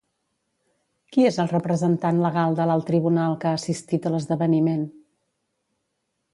Qui és el representant legal de l'Alt Tribunal que ha assistit a l'esdeveniment?